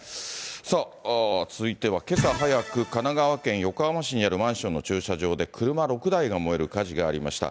さあ、続いてはけさ早く、神奈川県横浜市にあるマンションの駐車場で、車６台が燃える火事がありました。